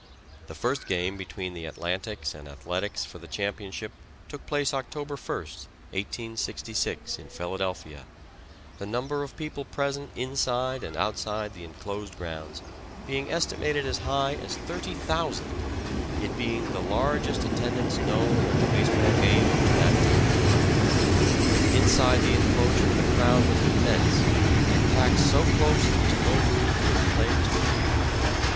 The first game between the Atlantics and Athletics for the championship took place October 1st, 1866, in Philadelphia, the number of people present inside and outside the inclosed grounds being estimated as high as 30,000, it being the largest attendance known at the baseball game up to that time. Inside the inclosure the crowd was immense, and packed so close there was no room for the players to field.